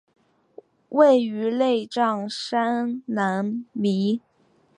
位于内藏山南麓。